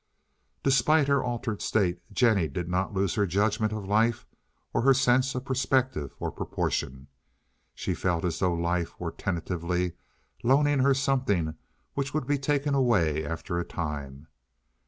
Despite her altered state Jennie did not lose her judgment of life or her sense of perspective or proportion. She felt as though life were tentatively loaning her something which would be taken away after a time.